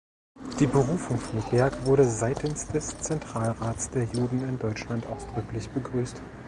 Die Berufung von Berg wurde seitens des Zentralrats der Juden in Deutschland ausdrücklich begrüßt.